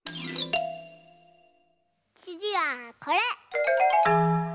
つぎはこれ！